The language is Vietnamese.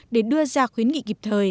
để đưa ra khuyến nghị kịp thời